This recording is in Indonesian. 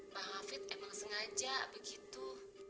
pak hafid emang sengaja begitu